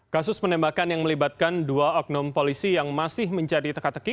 kasus penembakan yang melibatkan dua oknum polisi yang masih menjadi teka teki